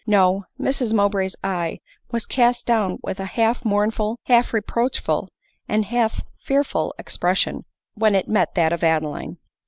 No—^Mrs Mowbray's eye was cast down with a half mournful, hjalf reproachful, and half fearful expres sion, when it met that of Adeline.